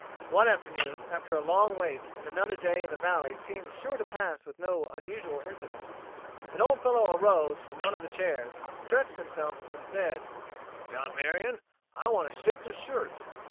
One afternoon after a long wait and another day in the valley seemed sure to pass with no unusual incident, an old fellow arose from one of the chairs, stretched himself, and said: "John Marion, I want a shift o' shirts.